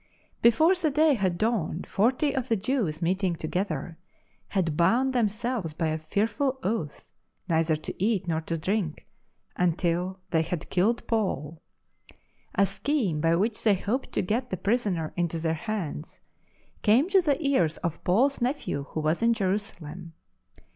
Before the day had dawried forty of the J 102 LIFE OF ST. PAUL Jews, meeting togetliei*, had bound them selves by a fearful oath neither to eat nor to drink until they had killed Paul. A scheme by which they hoped to get the prisoner into their hands came to the ears of Paul's nephew who was in Jerusalem.